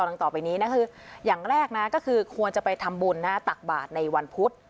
ดังต่อไปนี้นะคืออย่างแรกนะก็คือควรจะไปทำบุญตักบาทในวันพุธ